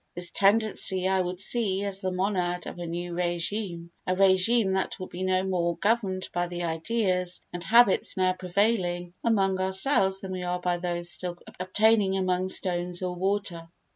This tendency I would see as the monad of a new regime—a regime that will be no more governed by the ideas and habits now prevailing among ourselves than we are by those still obtaining among stones or water.